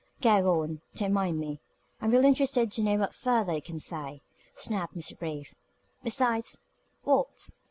"Go on don't mind me I'm really interested to know what further you can say," snapped Mr. Brief. "Besides what?"